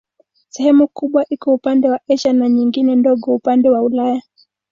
Sehemu kubwa iko upande wa Asia na nyingine ndogo upande wa Ulaya.